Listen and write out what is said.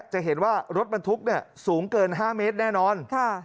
จะเห็นว่ารถบรรทุกสูงเกิน๕เมตรแน่นอน